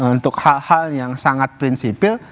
untuk hal hal yang sangat prinsipil